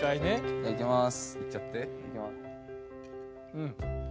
いただきます。